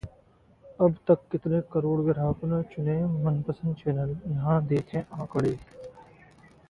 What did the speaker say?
अब तक कितने करोड़ ग्राहकों ने चुने मनपसंद चैनल, यहां देखें आंकड़े